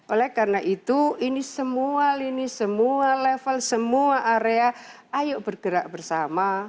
oleh karena itu ini semua lini semua level semua area ayo bergerak bersama